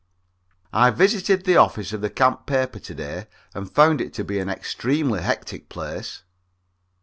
_ I visited the office of the camp paper to day and found it to be an extremely hectic place.